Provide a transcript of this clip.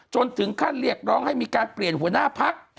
ถึงขั้นเรียกร้องให้มีการเปลี่ยนหัวหน้าพัก